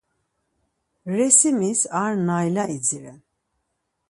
Resimis ar nayla idziren.